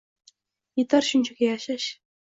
Yetar shunchaki yashash.